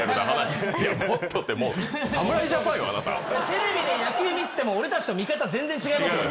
テレビで野球見てても俺たちと見方全然違いますよ